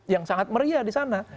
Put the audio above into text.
yang sangat meriah di sana